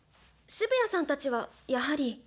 澁谷さんたちはやはり。